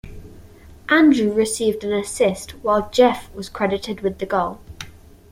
Andrew received an assist while Geoff was credited with the goal.